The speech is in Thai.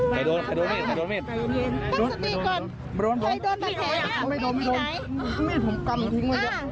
ไม่ได้เย็นเย็น